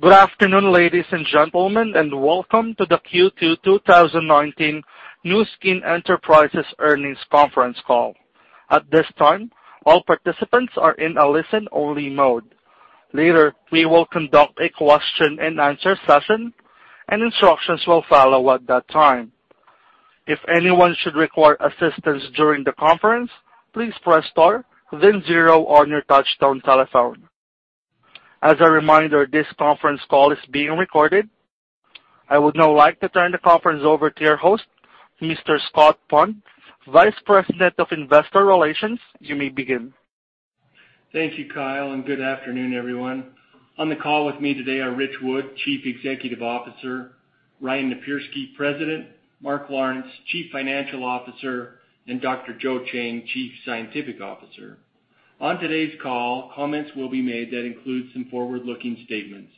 Good afternoon, ladies and gentlemen, and welcome to the Q2 2019 Nu Skin Enterprises earnings conference call. At this time, all participants are in a listen-only mode. Later, we will conduct a question and answer session, and instructions will follow at that time. If anyone should require assistance during the conference, please press star then zero on your touchtone telephone. As a reminder, this conference call is being recorded. I would now like to turn the conference over to your host, Mr. Scott Schmitz, Vice President of Investor Relations. You may begin. Thank you, Kyle, good afternoon, everyone. On the call with me today are Ritch Wood, Chief Executive Officer, Ryan Napierski, President, Mark Lawrence, Chief Financial Officer, and Dr. Joe Chang, Chief Scientific Officer. On today's call, comments will be made that include some forward-looking statements.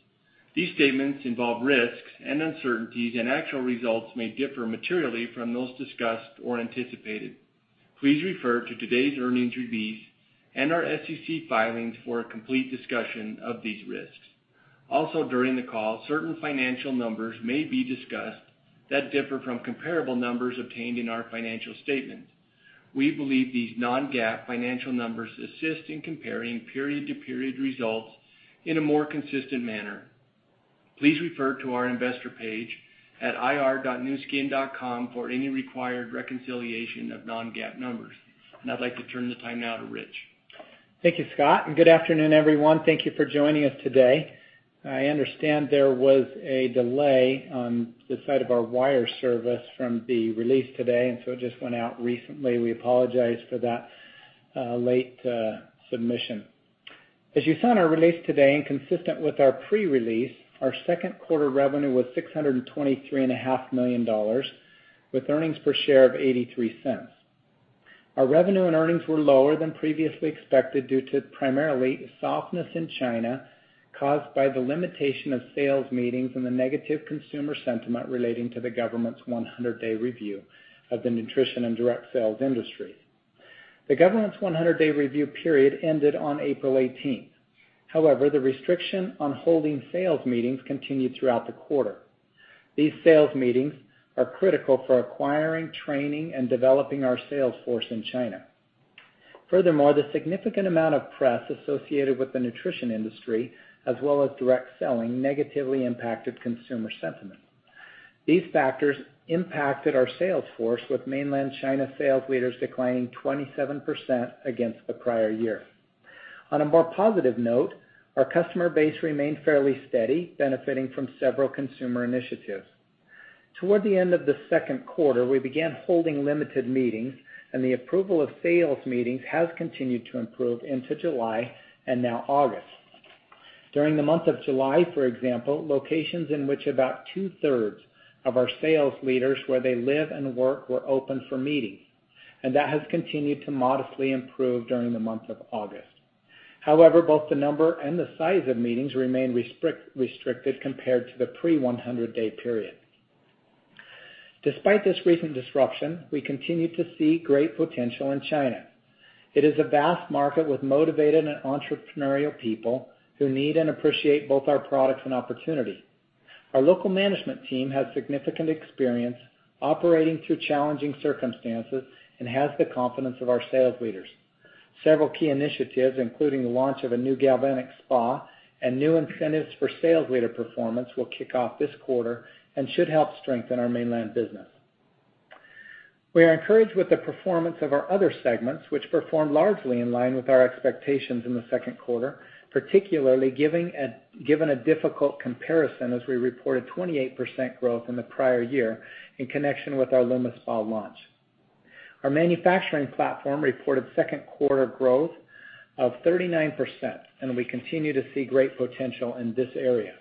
These statements involve risks and uncertainties, and actual results may differ materially from those discussed or anticipated. Please refer to today's earnings release and our SEC filings for a complete discussion of these risks. During the call, certain financial numbers may be discussed that differ from comparable numbers obtained in our financial statement. We believe these non-GAAP financial numbers assist in comparing period-to-period results in a more consistent manner. Please refer to our investor page at ir.nuskin.com for any required reconciliation of non-GAAP numbers. I'd like to turn the time now to Ritch. Thank you, Scott, and good afternoon, everyone. Thank you for joining us today. I understand there was a delay on the side of our wire service from the release today, and so it just went out recently. We apologize for that late submission. As you saw in our release today and consistent with our pre-release, our second quarter revenue was $623.5 million with earnings per share of $0.83. Our revenue and earnings were lower than previously expected due to primarily softness in China caused by the limitation of sales meetings and the negative consumer sentiment relating to the government's 100-day review of the nutrition and direct sales industry. The government's 100-day review period ended on April 18. However, the restriction on holding sales meetings continued throughout the quarter. These sales meetings are critical for acquiring, training, and developing our sales force in China. Furthermore, the significant amount of press associated with the nutrition industry, as well as direct selling, negatively impacted consumer sentiment. These factors impacted our sales force, with mainland China sales leaders declining 27% against the prior year. On a more positive note, our customer base remained fairly steady, benefiting from several consumer initiatives. Toward the end of the second quarter, we began holding limited meetings. The approval of sales meetings has continued to improve into July and now August. During the month of July, for example, locations in which about two-thirds of our sales leaders where they live and work were open for meetings. That has continued to modestly improve during the month of August. Both the number and the size of meetings remain restricted compared to the pre-100-day period. Despite this recent disruption, we continue to see great potential in China. It is a vast market with motivated and entrepreneurial people who need and appreciate both our products and opportunity. Our local management team has significant experience operating through challenging circumstances and has the confidence of our sales leaders. Several key initiatives, including the launch of a new Galvanic Spa and new incentives for sales leader performance, will kick off this quarter and should help strengthen our mainland business. We are encouraged with the performance of our other segments, which performed largely in line with our expectations in the second quarter, particularly given a difficult comparison as we reported 28% growth in the prior year in connection with our LumiSpa launch. Our manufacturing platform reported second quarter growth of 39%, and we continue to see great potential in this area.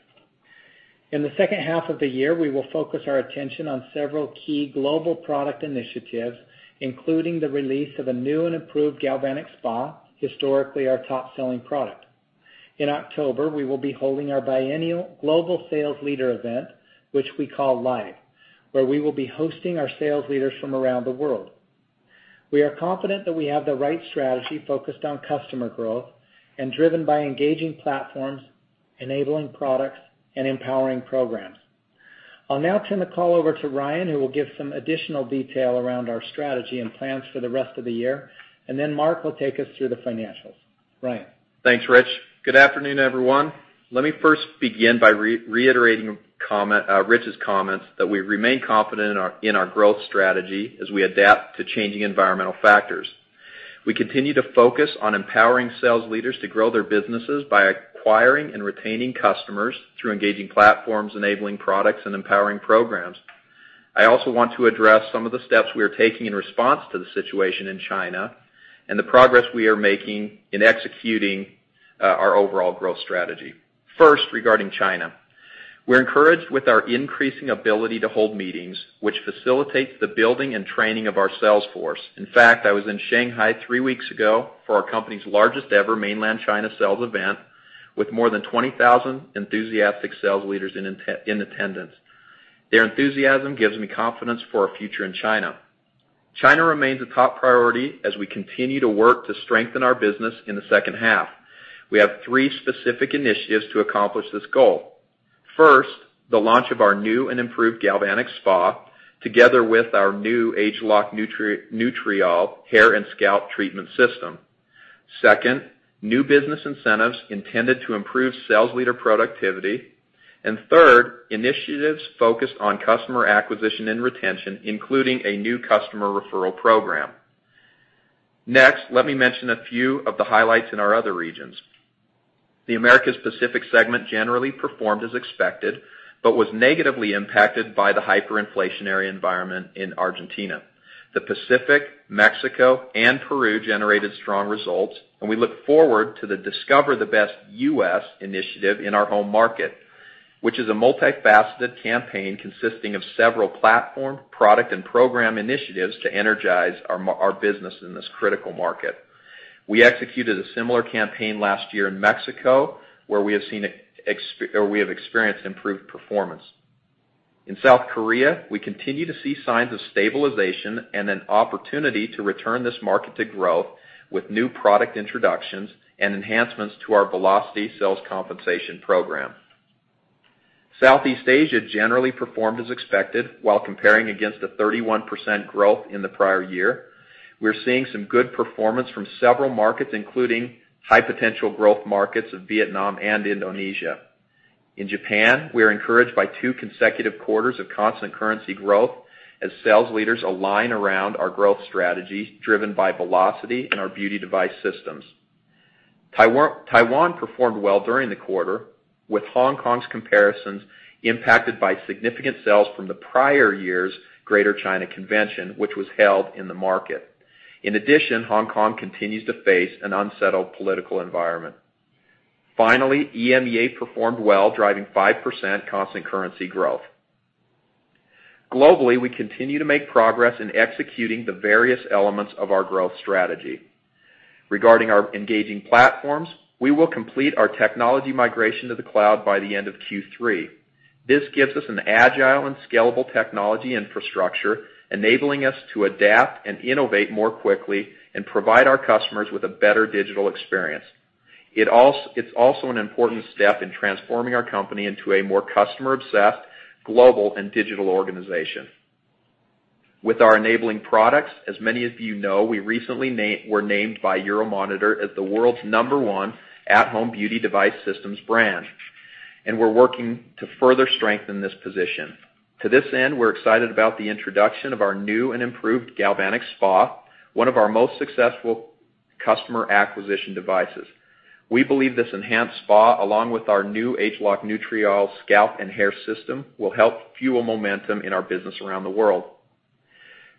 In the second half of the year, we will focus our attention on several key global product initiatives, including the release of a new and improved Galvanic Spa, historically our top-selling product. In October, we will be holding our biennial global sales leader event, which we call Live, where we will be hosting our sales leaders from around the world. We are confident that we have the right strategy focused on customer growth and driven by engaging platforms, enabling products, and empowering programs. I'll now turn the call over to Ryan, who will give some additional detail around our strategy and plans for the rest of the year, and then Mark will take us through the financials. Ryan. Thanks, Ritch. Good afternoon, everyone. Let me first begin by reiterating Ritch's comments that we remain confident in our growth strategy as we adapt to changing environmental factors. We continue to focus on empowering sales leaders to grow their businesses by acquiring and retaining customers through engaging platforms, enabling products, and empowering programs. I also want to address some of the steps we are taking in response to the situation in China and the progress we are making in executing our overall growth strategy. First, regarding China. We're encouraged with our increasing ability to hold meetings, which facilitates the building and training of our sales force. In fact, I was in Shanghai three weeks ago for our company's largest-ever mainland China sales event with more than 20,000 enthusiastic sales leaders in attendance. Their enthusiasm gives me confidence for our future in China. China remains a top priority as we continue to work to strengthen our business in the second half. We have three specific initiatives to accomplish this goal. First, the launch of our new and improved Galvanic Spa, together with our new ageLOC Nutriol hair and scalp treatment system. Second, new business incentives intended to improve sales leader productivity, and third, initiatives focused on customer acquisition and retention, including a new customer referral program. Let me mention a few of the highlights in our other regions. The Americas/Pacific segment generally performed as expected but was negatively impacted by the hyperinflationary environment in Argentina. The Pacific, Mexico, and Peru generated strong results, and we look forward to the Discover the Best You initiative in our home market, which is a multifaceted campaign consisting of several platform, product, and program initiatives to energize our business in this critical market. We executed a similar campaign last year in Mexico, where we have experienced improved performance. In South Korea, we continue to see signs of stabilization and an opportunity to return this market to growth with new product introductions and enhancements to our Velocity sales compensation program. Southeast Asia generally performed as expected while comparing against a 31% growth in the prior year. We're seeing some good performance from several markets, including high potential growth markets of Vietnam and Indonesia. In Japan, we are encouraged by two consecutive quarters of constant currency growth as sales leaders align around our growth strategy driven by Velocity and our beauty device systems. Taiwan performed well during the quarter, with Hong Kong's comparisons impacted by significant sales from the prior year's Greater China Convention, which was held in the market. Hong Kong continues to face an unsettled political environment. EMEA performed well, driving 5% constant currency growth. Globally, we continue to make progress in executing the various elements of our growth strategy. Regarding our engaging platforms, we will complete our technology migration to the cloud by the end of Q3. This gives us an agile and scalable technology infrastructure, enabling us to adapt and innovate more quickly and provide our customers with a better digital experience. It's also an important step in transforming our company into a more customer-obsessed, global, and digital organization. With our enabling products, as many of you know, we recently were named by Euromonitor as the world's number one at-home beauty device systems brand. We're working to further strengthen this position. To this end, we're excited about the introduction of our new and improved Galvanic Spa, one of our most successful customer acquisition devices. We believe this enhanced spa, along with our new ageLOC Nutriol scalp and hair system, will help fuel momentum in our business around the world.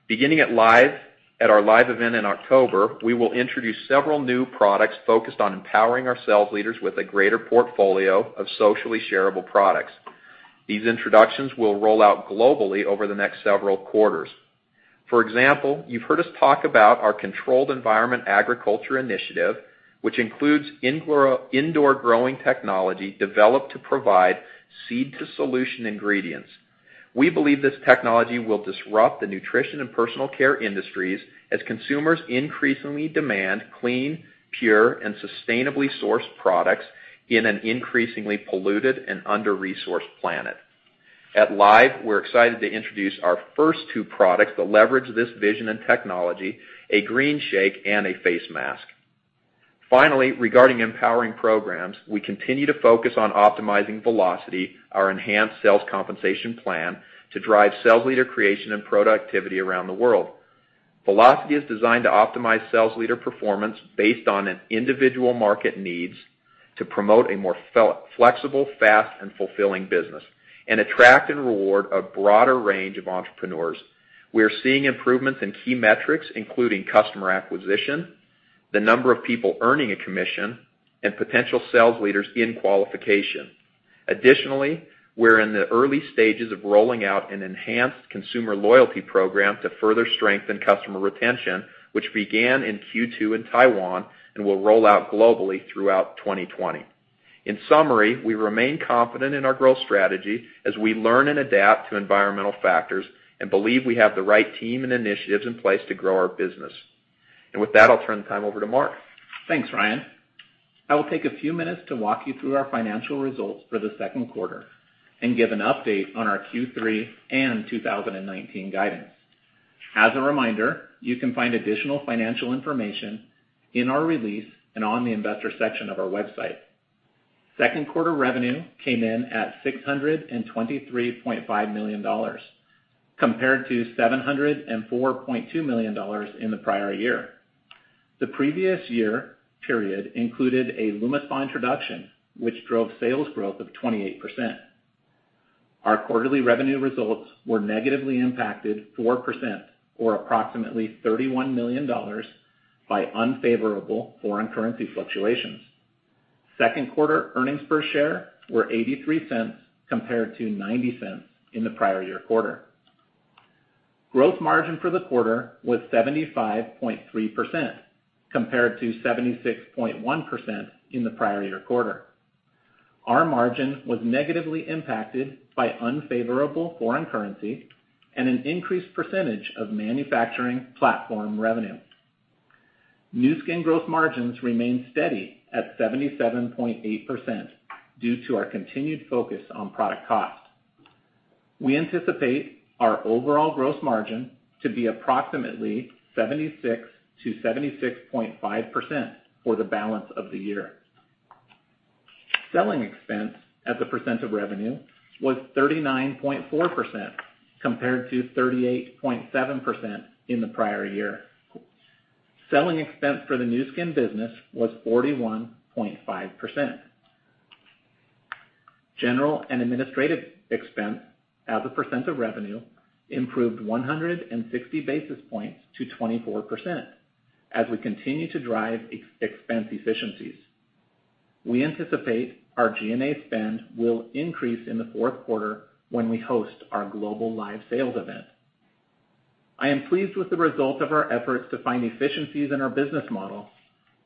Beginning at our LIVE event in October, we will introduce several new products focused on empowering our sales leaders with a greater portfolio of socially shareable products. These introductions will roll out globally over the next several quarters. For example, you've heard us talk about our Controlled Environment Agriculture initiative, which includes indoor growing technology developed to provide seed-to-solution ingredients. We believe this technology will disrupt the nutrition and personal care industries as consumers increasingly demand clean, pure, and sustainably sourced products in an increasingly polluted and under-resourced planet. At LIVE, we're excited to introduce our first two products that leverage this vision and technology, a green shake and a face mask. Finally, regarding empowering programs, we continue to focus on optimizing Velocity, our enhanced sales compensation plan, to drive sales leader creation and productivity around the world. Velocity is designed to optimize sales leader performance based on an individual market needs to promote a more flexible, fast, and fulfilling business and attract and reward a broader range of entrepreneurs. We are seeing improvements in key metrics, including customer acquisition, the number of people earning a commission, and potential sales leaders in qualification. Additionally, we're in the early stages of rolling out an enhanced consumer loyalty program to further strengthen customer retention, which began in Q2 in Taiwan and will roll out globally throughout 2020. In summary, we remain confident in our growth strategy as we learn and adapt to environmental factors and believe we have the right team and initiatives in place to grow our business. With that, I'll turn the time over to Mark. Thanks, Ryan. I will take a few minutes to walk you through our financial results for the second quarter and give an update on our Q3 and 2019 guidance. As a reminder, you can find additional financial information in our release and on the investor section of our website. Second quarter revenue came in at $623.5 million, compared to $704.2 million in the prior year. The previous year period included a LumiSpa introduction, which drove sales growth of 28%. Our quarterly revenue results were negatively impacted 4%, or approximately $31 million, by unfavorable foreign currency fluctuations. Second quarter earnings per share were $0.83 compared to $0.90 in the prior year quarter. Gross margin for the quarter was 75.3% compared to 76.1% in the prior year quarter. Our margin was negatively impacted by unfavorable foreign currency and an increased percentage of manufacturing platform revenue. Nu Skin gross margins remained steady at 77.8% due to our continued focus on product cost. We anticipate our overall gross margin to be approximately 76%-76.5% for the balance of the year. Selling expense as a % of revenue was 39.4% compared to 38.7% in the prior year. Selling expense for the Nu Skin business was 41.5%. General and administrative expense as a % of revenue improved 160 basis points to 24% as we continue to drive expense efficiencies. We anticipate our G&A spend will increase in the fourth quarter when we host our global live sales event. I am pleased with the result of our efforts to find efficiencies in our business model,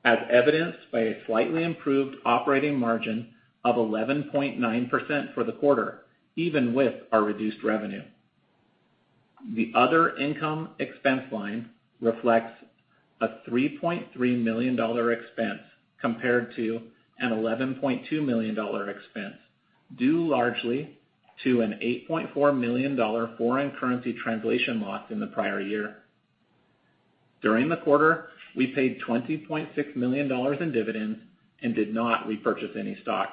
as evidenced by a slightly improved operating margin of 11.9% for the quarter, even with our reduced revenue. The other income expense line reflects a $3.3 million expense compared to an $11.2 million expense, due largely to an $8.4 million foreign currency translation loss in the prior year. During the quarter, we paid $20.6 million in dividends and did not repurchase any stock.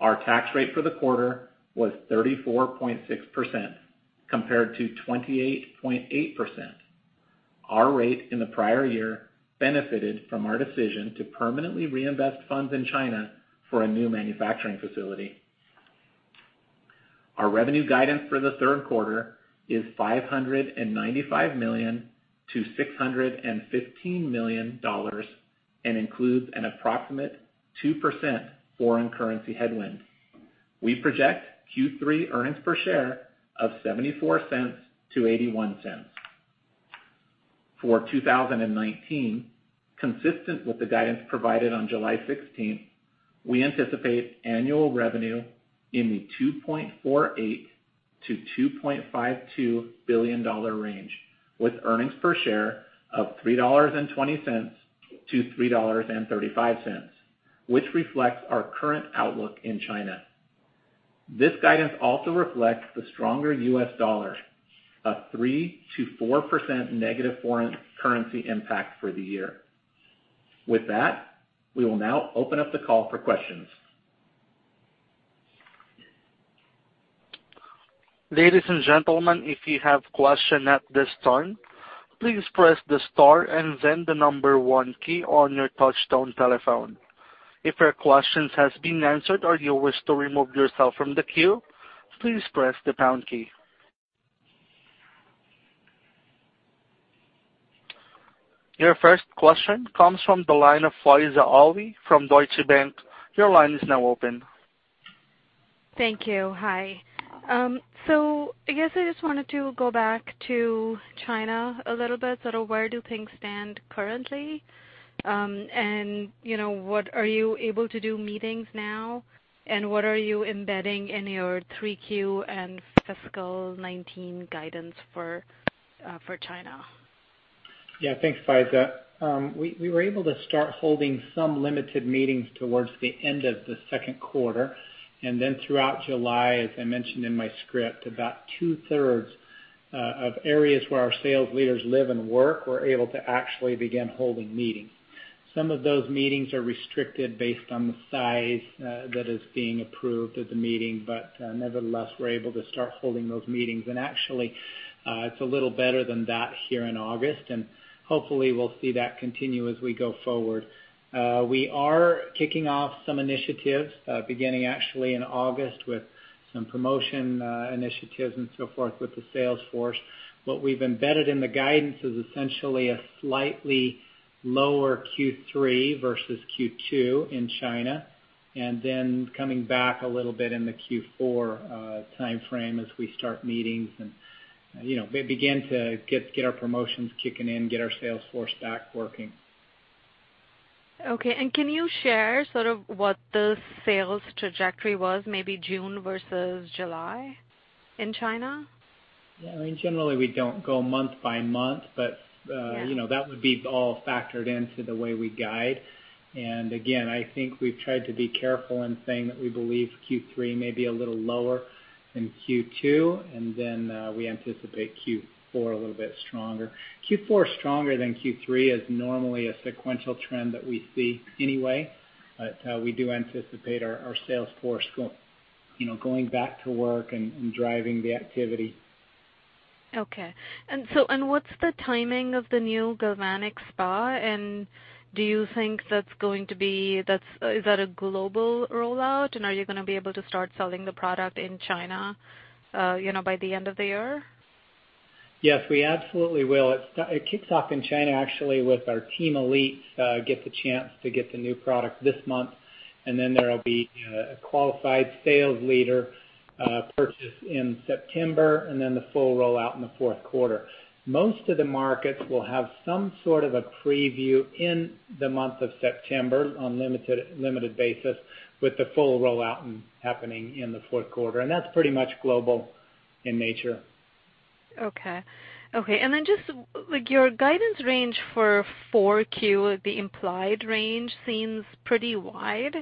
Our tax rate for the quarter was 34.6% compared to 28.8%. Our rate in the prior year benefited from our decision to permanently reinvest funds in China for a new manufacturing facility. Our revenue guidance for the third quarter is $595 million-$615 million and includes an approximate 2% foreign currency headwind. We project Q3 earnings per share of $0.74-$0.81. For 2019, consistent with the guidance provided on July 16th, we anticipate annual revenue in the $2.48 billion-$2.52 billion range, with earnings per share of $3.20-$3.35, which reflects our current outlook in China. This guidance also reflects the stronger U.S. dollar, a 3%-4% negative foreign currency impact for the year. With that, we will now open up the call for questions. Ladies and gentlemen, if you have question at this time, please press the star and then the number 1 key on your touchtone telephone. If your questions has been answered or you wish to remove yourself from the queue, please press the pound key. Your first question comes from the line of Faiza Alvi from Deutsche Bank. Your line is now open. Thank you. Hi. I guess I just wanted to go back to China a little bit. Sort of where do things stand currently? Are you able to do meetings now? What are you embedding in your 3Q and fiscal 2019 guidance for China? Yeah. Thanks, Faiza. We were able to start holding some limited meetings towards the end of the second quarter, throughout July, as I mentioned in my script, about two-thirds of areas where our sales leaders live and work were able to actually begin holding meetings. Some of those meetings are restricted based on the size that is being approved at the meeting. Nevertheless, we're able to start holding those meetings. Actually, it's a little better than that here in August, and hopefully we'll see that continue as we go forward. We are kicking off some initiatives, beginning actually in August with some promotion initiatives and so forth with the sales force. What we've embedded in the guidance is essentially a slightly lower Q3 versus Q2 in China, and then coming back a little bit in the Q4 timeframe as we start meetings and begin to get our promotions kicking in, get our sales force back working. Okay. Can you share sort of what the sales trajectory was, maybe June versus July in China? Yeah. Generally, we don't go month by month, but. Yeah that would be all factored into the way we guide. Again, I think we've tried to be careful in saying that we believe Q3 may be a little lower than Q2, and then we anticipate Q4 a little bit stronger. Q4 stronger than Q3 is normally a sequential trend that we see anyway, but we do anticipate our sales force going back to work and driving the activity. Okay. What's the timing of the new Galvanic Spa, and do you think is that a global rollout? Are you going to be able to start selling the product in China by the end of the year? Yes, we absolutely will. It kicks off in China, actually, with our team elites get the chance to get the new product this month, then there'll be a qualified sales leader purchase in September, then the full rollout in the fourth quarter. Most of the markets will have some sort of a preview in the month of September on limited basis, with the full rollout happening in the fourth quarter. That's pretty much global. In nature. Okay. Just your guidance range for 4Q, the implied range seems pretty wide.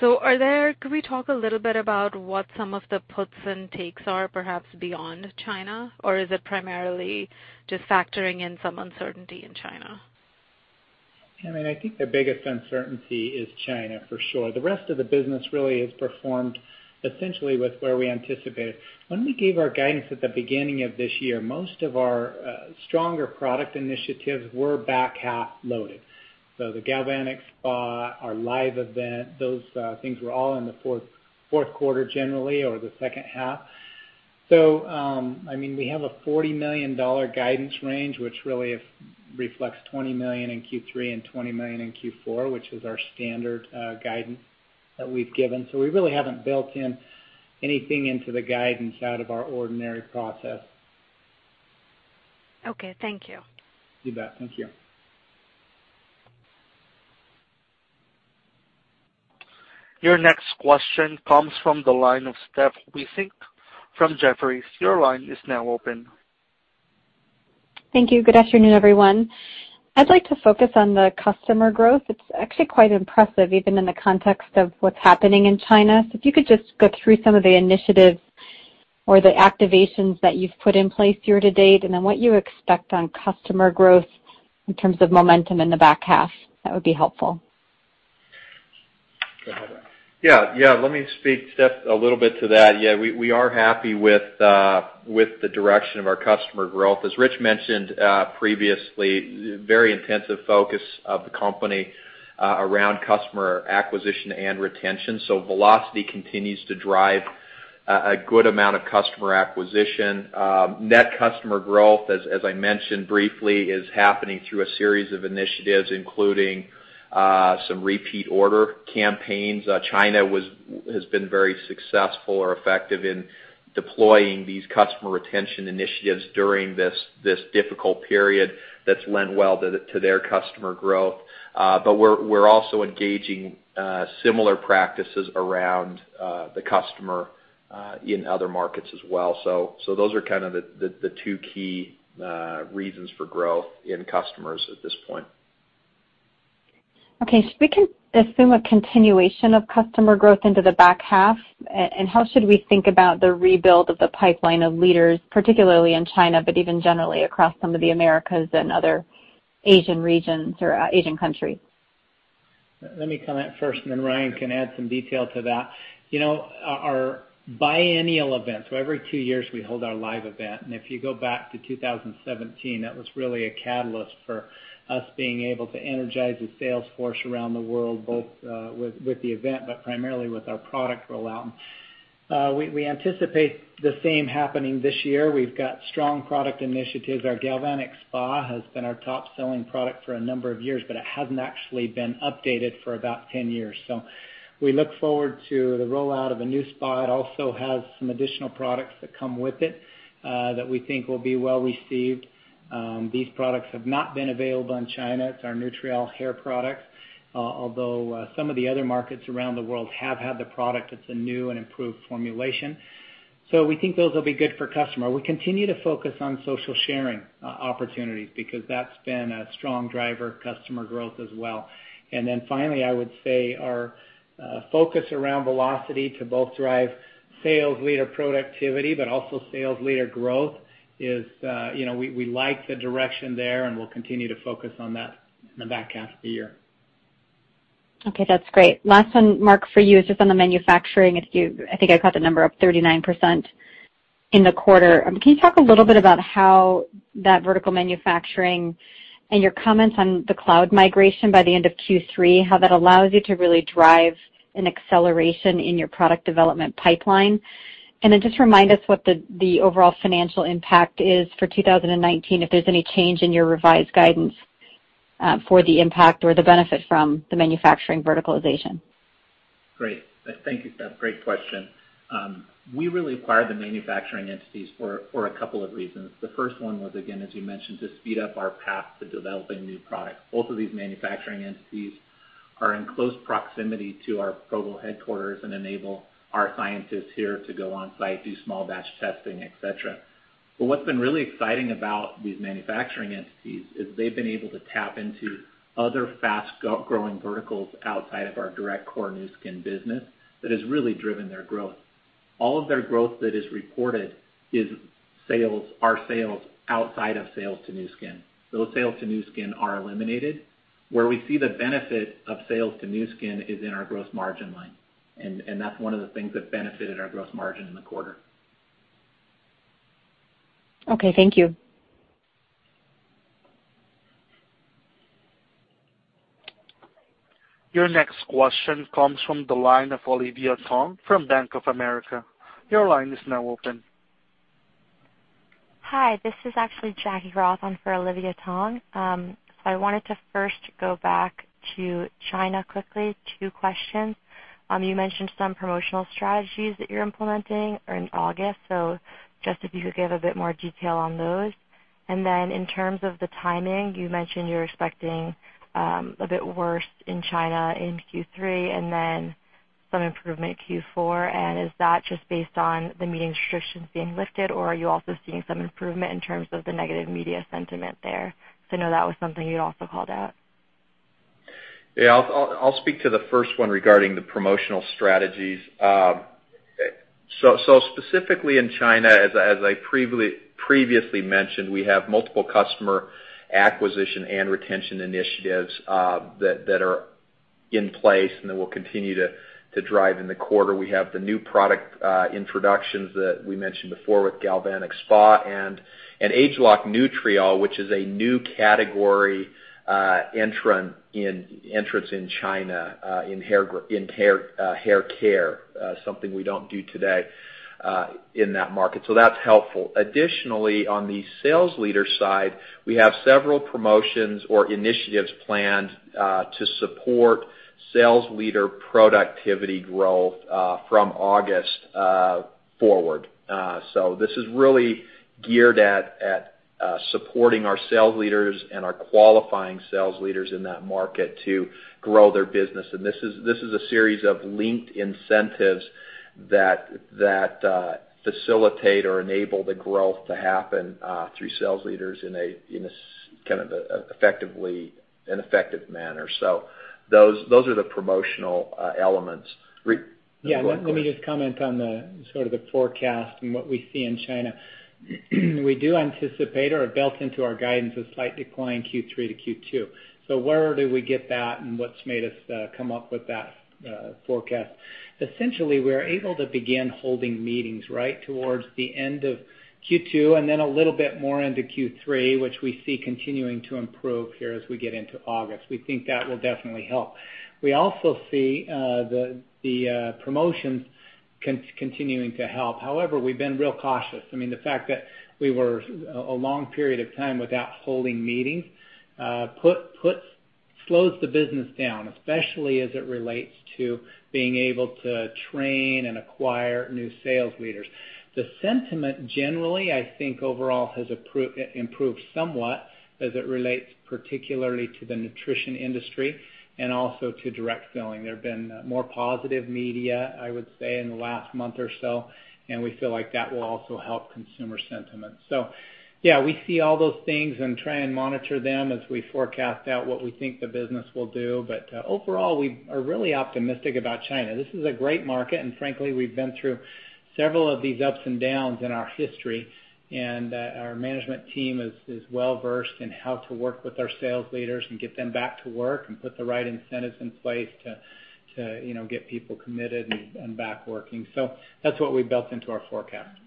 Could we talk a little bit about what some of the puts and takes are perhaps beyond China, or is it primarily just factoring in some uncertainty in China? I think the biggest uncertainty is China for sure. The rest of the business really has performed essentially with where we anticipated. When we gave our guidance at the beginning of this year, most of our stronger product initiatives were back half loaded. The Galvanic Spa, our live event, those things were all in the fourth quarter generally, or the second half. We have a $40 million guidance range, which really reflects $20 million in Q3 and $20 million in Q4, which is our standard guidance that we've given. We really haven't built in anything into the guidance out of our ordinary process. Okay, thank you. You bet. Thank you. Your next question comes from the line of Stephanie Wissink from Jefferies. Your line is now open. Thank you. Good afternoon, everyone. I'd like to focus on the customer growth. It's actually quite impressive, even in the context of what's happening in China. If you could just go through some of the initiatives or the activations that you've put in place year to date, and then what you expect on customer growth in terms of momentum in the back half, that would be helpful. Yeah. Let me speak, Steph, a little bit to that. Yeah, we are happy with the direction of our customer growth. As Ritch mentioned previously, very intensive focus of the company around customer acquisition and retention. Velocity continues to drive a good amount of customer acquisition. Net customer growth, as I mentioned briefly, is happening through a series of initiatives, including some repeat order campaigns. China has been very successful or effective in deploying these customer retention initiatives during this difficult period that's lent well to their customer growth. We're also engaging similar practices around the customer in other markets as well. Those are kind of the two key reasons for growth in customers at this point. Okay. Should we assume a continuation of customer growth into the back half? How should we think about the rebuild of the pipeline of leaders, particularly in China, but even generally across some of the Americas and other Asian countries? Let me comment first, and then Ryan can add some detail to that. Our biennial events, so every two years, we hold our Nu Skin LIVE! event, and if you go back to 2017, that was really a catalyst for us being able to energize the sales force around the world, both with the event, but primarily with our product rollout. We anticipate the same happening this year. We've got strong product initiatives. Our Galvanic Spa has been our top-selling product for a number of years, but it hasn't actually been updated for about 10 years. We look forward to the rollout of a new spa. It also has some additional products that come with it that we think will be well-received. These products have not been available in China. It's our Nutriol hair product, although some of the other markets around the world have had the product, it's a new and improved formulation. We think those will be good for customer. We continue to focus on social sharing opportunities because that's been a strong driver of customer growth as well. Finally, I would say our focus around Velocity to both drive sales leader productivity, but also sales leader growth is, we like the direction there, and we'll continue to focus on that in the back half of the year. Okay, that's great. Last one, Mark, for you is just on the manufacturing. I think I caught the number up 39% in the quarter. Can you talk a little bit about how that vertical manufacturing and your comments on the cloud migration by the end of Q3, how that allows you to really drive an acceleration in your product development pipeline? Just remind us what the overall financial impact is for 2019, if there's any change in your revised guidance for the impact or the benefit from the manufacturing verticalization. Great. Thank you, Steph. Great question. We really acquired the manufacturing entities for a couple of reasons. The first one was, again, as you mentioned, to speed up our path to developing new products. Both of these manufacturing entities are in close proximity to our Provo headquarters and enable our scientists here to go on-site, do small batch testing, et cetera. What's been really exciting about these manufacturing entities is they've been able to tap into other fast growing verticals outside of our direct core Nu Skin business that has really driven their growth. All of their growth that is reported are sales outside of sales to Nu Skin. Those sales to Nu Skin are eliminated. Where we see the benefit of sales to Nu Skin is in our gross margin line, and that's one of the things that benefited our gross margin in the quarter. Okay, thank you. Your next question comes from the line of Olivia Tong from Bank of America. Your line is now open. Hi, this is actually Jackie Rotman on for Olivia Tong. I wanted to first go back to China quickly, two questions. You mentioned some promotional strategies that you're implementing in August, just if you could give a bit more detail on those. In terms of the timing, you mentioned you're expecting a bit worse in China in Q3, and then some improvement Q4. Is that just based on the meeting restrictions being lifted, or are you also seeing some improvement in terms of the negative media sentiment there? I know that was something you also called out. Yeah. I'll speak to the first one regarding the promotional strategies. Specifically in China, as I previously mentioned, we have multiple customer acquisition and retention initiatives that are in place and that we'll continue to drive in the quarter. We have the new product introductions that we mentioned before with Galvanic Spa and ageLOC Nutriol, which is a new category entrance in China, in hair care, something we don't do today in that market. That's helpful. Additionally, on the sales leader side, we have several promotions or initiatives planned to support sales leader productivity growth from August forward. This is really geared at supporting our sales leaders and our qualifying sales leaders in that market to grow their business. This is a series of linked incentives that facilitate or enable the growth to happen through sales leaders in an effective manner. Those are the promotional elements. Go ahead, Ritch. Let me just comment on the sort of the forecast and what we see in China. We do anticipate or have built into our guidance a slight decline Q3 to Q2. Where do we get that and what's made us come up with that forecast? Essentially, we're able to begin holding meetings right towards the end of Q2, and then a little bit more into Q3, which we see continuing to improve here as we get into August. We think that will definitely help. We also see the promotions continuing to help. However, we've been real cautious. I mean, the fact that we were a long period of time without holding meetings, slows the business down, especially as it relates to being able to train and acquire new sales leaders. The sentiment generally, I think overall has improved somewhat as it relates particularly to the nutrition industry and also to direct selling. There have been more positive media, I would say, in the last month or so, and we feel like that will also help consumer sentiment. Yeah, we see all those things and try and monitor them as we forecast out what we think the business will do. Overall, we are really optimistic about China. This is a great market, and frankly, we've been through several of these ups and downs in our history, and our management team is well-versed in how to work with our sales leaders and get them back to work and put the right incentives in place to get people committed and back working. That's what we built into our forecast.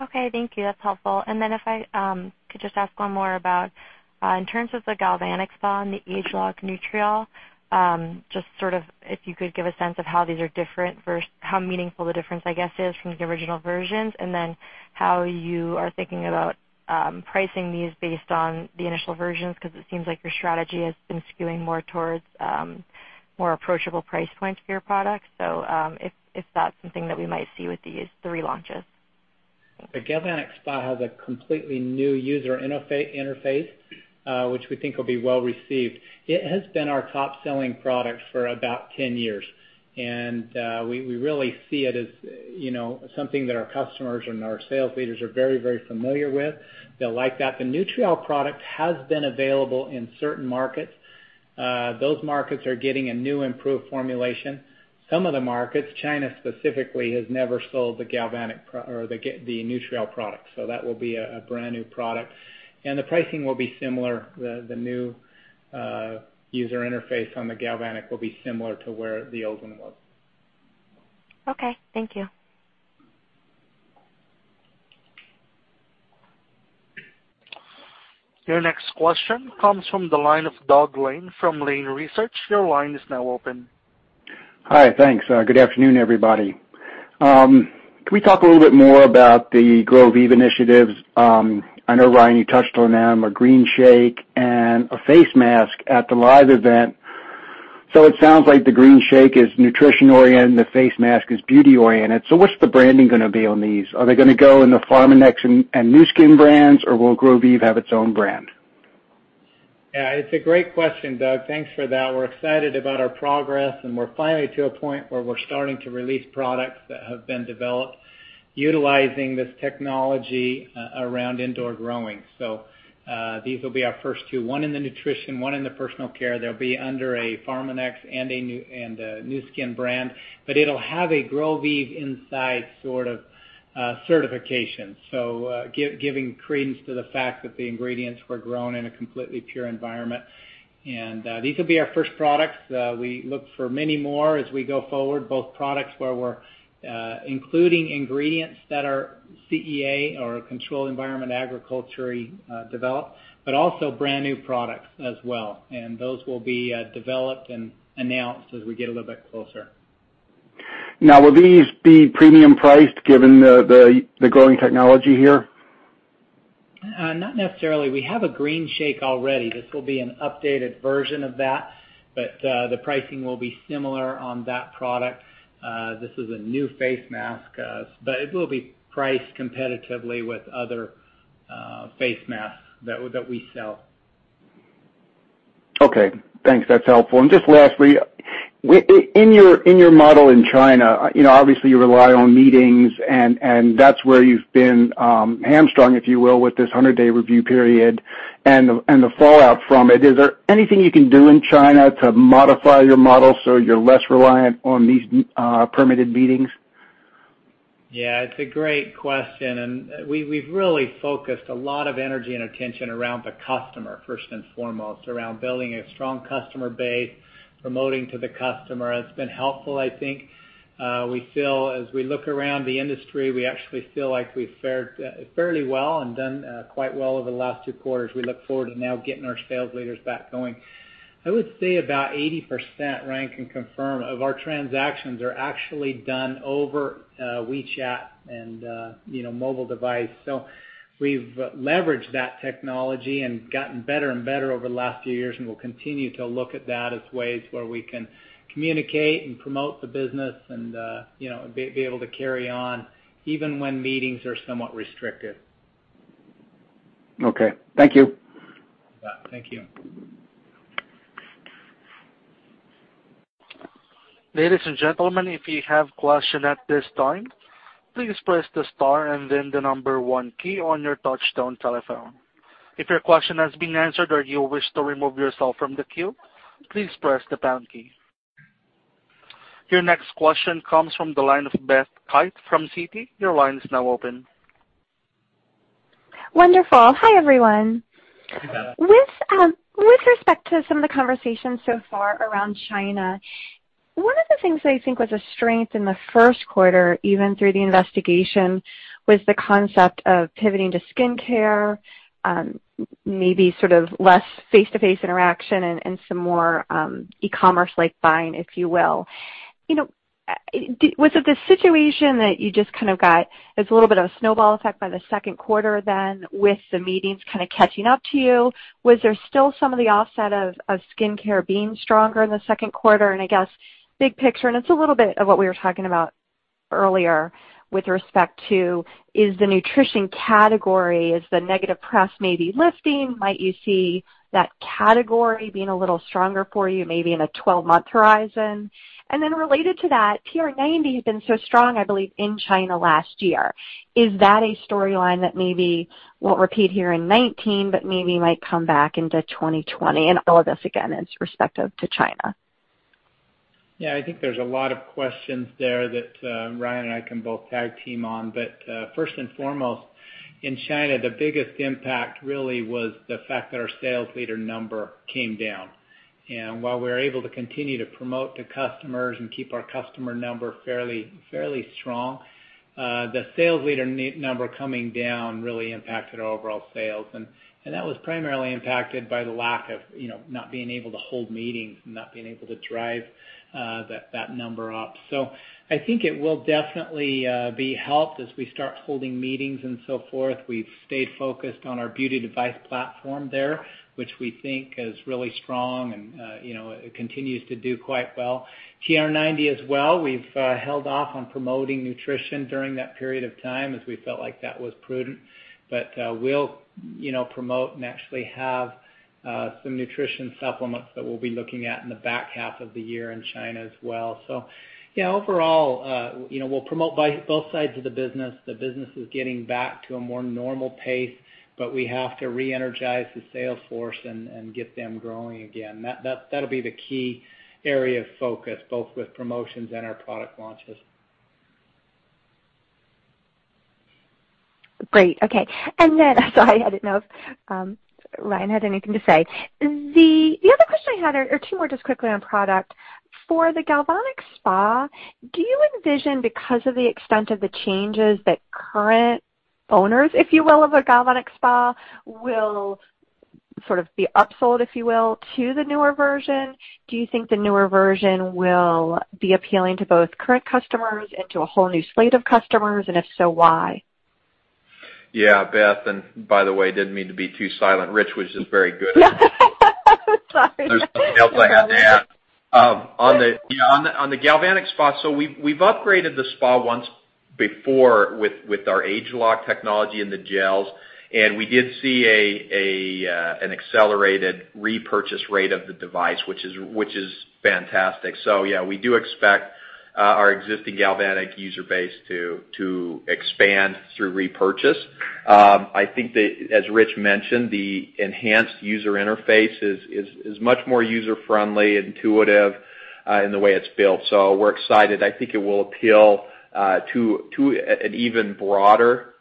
Okay, thank you. That's helpful. If I could just ask one more about, in terms of the Galvanic Spa and the ageLOC Nutriol, just sort of if you could give a sense of how these are different versus how meaningful the difference, I guess, is from the original versions and then how you are thinking about pricing these based on the initial versions, because it seems like your strategy has been skewing more towards more approachable price points for your products. If that's something that we might see with these three launches. The Galvanic Spa has a completely new user interface, which we think will be well received. It has been our top-selling product for about 10 years, and we really see it as something that our customers and our sales leaders are very familiar with. They'll like that. The Nutriol product has been available in certain markets. Those markets are getting a new improved formulation. Some of the markets, China specifically, has never sold the Nutriol product, so that will be a brand-new product. The pricing will be similar. The new user interface on the Galvanic will be similar to where the old one was. Okay. Thank you. Your next question comes from the line of Douglas Lane from Lane Research. Your line is now open. Hi, thanks. Good afternoon, everybody. Can we talk a little bit more about the Grōv initiatives? I know, Ryan, you touched on them, a green shake and a face mask at the Nu Skin LIVE! event. It sounds like the green shake is nutrition-oriented, the face mask is beauty-oriented. What's the branding going to be on these? Are they going to go in the Pharmanex and Nu Skin brands, or will Grōv have its own brand? Yeah, it's a great question, Doug. Thanks for that. We're excited about our progress, and we're finally to a point where we're starting to release products that have been developed utilizing this technology around indoor growing. These will be our first two, one in the nutrition, one in the personal care. They'll be under a Pharmanex and a Nu Skin brand, but it'll have a Grōv inside sort of certification. Giving credence to the fact that the ingredients were grown in a completely pure environment. These will be our first products. We look for many more as we go forward, both products where we're including ingredients that are CEA or controlled environment agriculturally developed, but also brand-new products as well. Those will be developed and announced as we get a little bit closer. Now, will these be premium priced given the growing technology here? Not necessarily. We have a green shake already. This will be an updated version of that, but the pricing will be similar on that product. This is a new face mask, but it will be priced competitively with other face masks that we sell. Okay, thanks. That's helpful. Just lastly, in your model in China, obviously you rely on meetings and that's where you've been hamstrung, if you will, with this 100-day review period and the fallout from it. Is there anything you can do in China to modify your model so you're less reliant on these permitted meetings? Yeah, it's a great question, we've really focused a lot of energy and attention around the customer, first and foremost, around building a strong customer base, promoting to the customer has been helpful, I think. As we look around the industry, we actually feel like we've fared fairly well and done quite well over the last two quarters. We look forward to now getting our sales leaders back going. I would say about 80%, Ryan can confirm, of our transactions are actually done over WeChat and mobile device. We've leveraged that technology and gotten better and better over the last few years, and we'll continue to look at that as ways where we can communicate and promote the business and be able to carry on even when meetings are somewhat restricted. Okay. Thank you. Yeah, thank you. Ladies and gentlemen, if you have question at this time, please press the star and then the number 1 key on your touchtone telephone. If your question has been answered or you wish to remove yourself from the queue, please press the pound key. Your next question comes from the line of Beth Kite from Citi. Your line is now open. Wonderful. Hi, everyone. Hey, Beth. With respect to some of the conversations so far around China, one of the things that I think was a strength in the first quarter, even through the investigation, was the concept of pivoting to skincare, maybe sort of less face-to-face interaction and some more e-commerce-like buying, if you will. Was it the situation that you just kind of got as a little bit of a snowball effect by the second quarter then with the meetings kind of catching up to you? Was there still some of the offset of skincare being stronger in the second quarter? I guess big picture, and it's a little bit of what we were talking about earlier with respect to, is the nutrition category, is the negative press maybe lifting? Might you see that category being a little stronger for you, maybe in a 12-month horizon? Then related to that, TR90 has been so strong, I believe, in China last year. Is that a storyline that maybe won't repeat here in 2019, but maybe might come back into 2020? All of this, again, is respective to China. Yeah, I think there's a lot of questions there that Ryan and I can both tag-team on. First and foremost, in China, the biggest impact really was the fact that our sales leader number came down. While we were able to continue to promote to customers and keep our customer number fairly strong, the sales leader number coming down really impacted our overall sales. That was primarily impacted by the lack of not being able to hold meetings and not being able to drive that number up. I think it will definitely be helped as we start holding meetings and so forth. We've stayed focused on our beauty device platform there, which we think is really strong and it continues to do quite well. TR90 as well, we've held off on promoting nutrition during that period of time as we felt like that was prudent. We'll promote and actually have some nutrition supplements that we'll be looking at in the back half of the year in China as well. Yeah, overall we'll promote both sides of the business. The business is getting back to a more normal pace, but we have to reenergize the sales force and get them growing again. That'll be the key area of focus, both with promotions and our product launches. Great. Okay. Sorry, I didn't know if Ryan had anything to say. The other question I had, or two more just quickly on product, for the Galvanic Spa, do you envision, because of the extent of the changes that current owners, if you will, of a Galvanic Spa will sort of be upsold, if you will, to the newer version? Do you think the newer version will be appealing to both current customers and to a whole new slate of customers, and if so, why? Yeah, Beth, and by the way, didn't mean to be too silent, Ritch was just very good. Sorry. There's something else I had to add. On the Galvanic Spa, we've upgraded the spa once before with our ageLOC technology and the gels, we did see an accelerated repurchase rate of the device, which is fantastic. Yeah, we do expect our existing Galvanic user base to expand through repurchase. I think that, as Ritch mentioned, the enhanced user interface is much more user-friendly, intuitive in the way it's built. We're excited. I think it will appeal to an even broader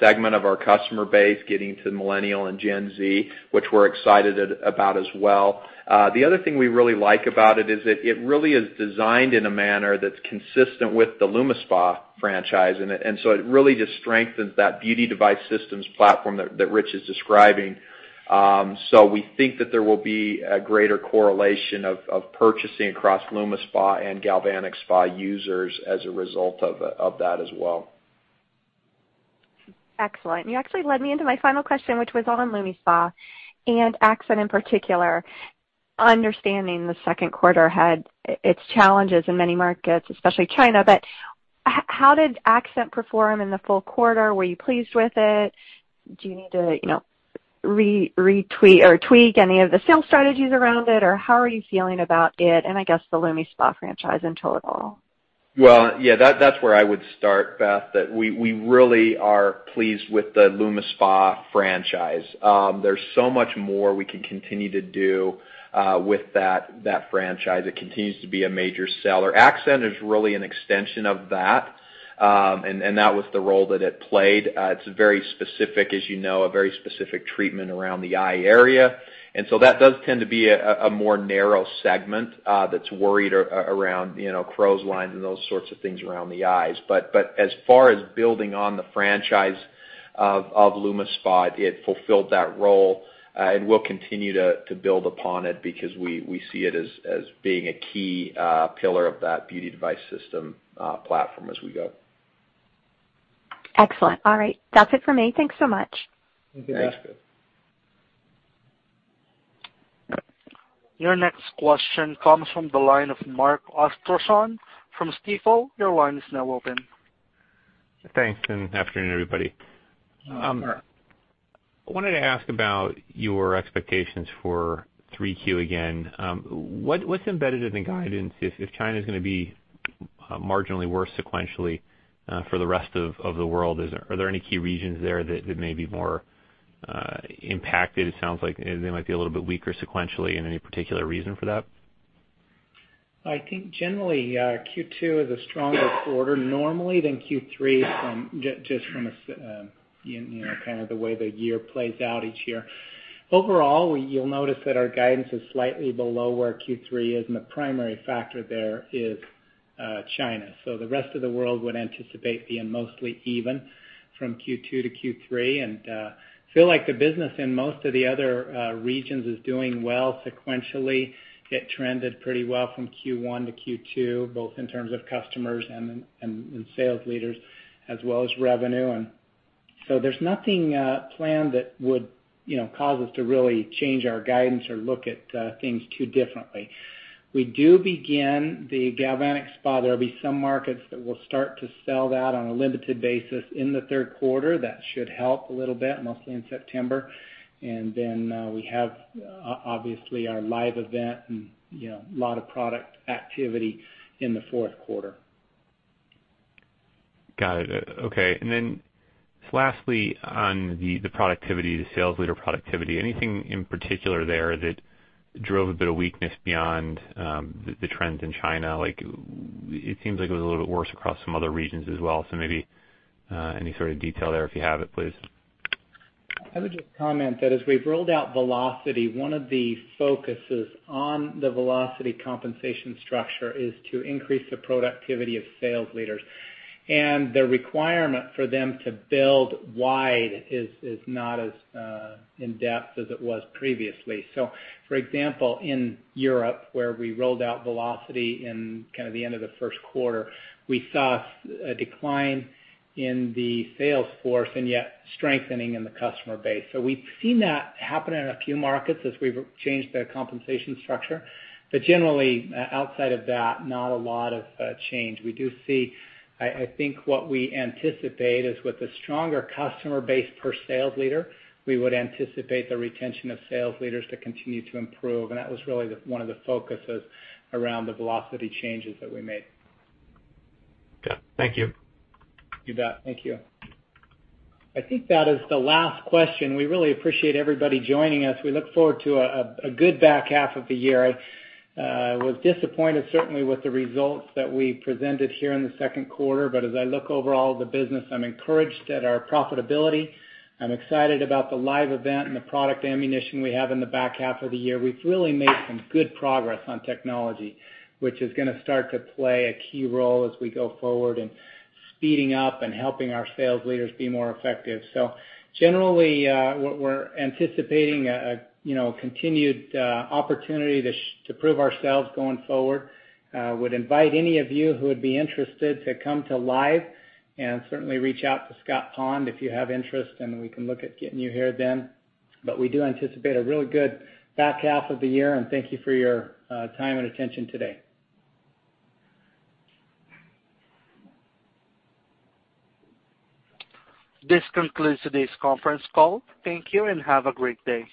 segment of our customer base, getting to Millennial and Gen Z, which we're excited about as well. The other thing we really like about it is it really is designed in a manner that's consistent with the LumiSpa franchise, it really just strengthens that beauty device systems platform that Ritch is describing. We think that there will be a greater correlation of purchasing across LumiSpa and Galvanic Spa users as a result of that as well. Excellent. You actually led me into my final question, which was on LumiSpa and Accent in particular. Understanding the second quarter had its challenges in many markets, especially China. How did Accent perform in the full quarter? Were you pleased with it? Do you need to tweak any of the sales strategies around it? How are you feeling about it, and I guess the LumiSpa franchise in total? Well, yeah, that's where I would start, Beth, that we really are pleased with the LumiSpa franchise. There's so much more we can continue to do with that franchise. It continues to be a major seller. Accent is really an extension of that. That was the role that it played. It's very specific, as you know, a very specific treatment around the eye area. That does tend to be a more narrow segment that's worried around crow's lines and those sorts of things around the eyes. As far as building on the franchise of LumiSpa, it fulfilled that role, and we'll continue to build upon it because we see it as being a key pillar of that beauty device system platform as we go. Excellent. All right. That's it for me. Thanks so much. Thank you, Beth. Your next question comes from the line of Mark Astrachan from Stifel. Your line is now open. Thanks, afternoon everybody. Mark. I wanted to ask about your expectations for 3Q again. What's embedded in the guidance if China's going to be marginally worse sequentially for the rest of the world? Are there any key regions there that may be more impacted? It sounds like they might be a little bit weaker sequentially. Any particular reason for that? I think generally, Q2 is a stronger quarter normally than Q3 from kind of the way the year plays out each year. Overall, you'll notice that our guidance is slightly below where Q3 is. The primary factor there is China. The rest of the world would anticipate being mostly even from Q2 to Q3. Feel like the business in most of the other regions is doing well sequentially. It trended pretty well from Q1 to Q2, both in terms of customers and sales leaders as well as revenue. There's nothing planned that would cause us to really change our guidance or look at things too differently. We do begin the Galvanic Spa. There'll be some markets that will start to sell that on a limited basis in the third quarter. That should help a little bit, mostly in September. We have, obviously, our Nu Skin LIVE! and a lot of product activity in the fourth quarter. Got it. Okay. Lastly on the productivity, the sales leader productivity, anything in particular there that drove a bit of weakness beyond the trends in China? It seems like it was a little bit worse across some other regions as well. Maybe any sort of detail there if you have it, please. I would just comment that as we've rolled out Velocity, one of the focuses on the Velocity compensation structure is to increase the productivity of sales leaders. The requirement for them to build wide is not as in-depth as it was previously. For example, in Europe, where we rolled out Velocity in kind of the end of the first quarter, we saw a decline in the sales force and yet strengthening in the customer base. We've seen that happen in a few markets as we've changed the compensation structure. Generally, outside of that, not a lot of change. I think what we anticipate is with a stronger customer base per sales leader, we would anticipate the retention of sales leaders to continue to improve, and that was really one of the focuses around the Velocity changes that we made. Got it. Thank you. You bet. Thank you. I think that is the last question. We really appreciate everybody joining us. We look forward to a good back half of the year. I was disappointed certainly with the results that we presented here in the second quarter. As I look overall at the business, I'm encouraged at our profitability. I'm excited about the Nu Skin LIVE! event and the product ammunition we have in the back half of the year. We've really made some good progress on technology, which is going to start to play a key role as we go forward in speeding up and helping our sales leaders be more effective. Generally, we're anticipating a continued opportunity to prove ourselves going forward. Would invite any of you who would be interested to come to Nu Skin LIVE! and certainly reach out to Scott Pond if you have interest, and we can look at getting you here then. We do anticipate a really good back half of the year, and thank you for your time and attention today. This concludes today's conference call. Thank you and have a great day.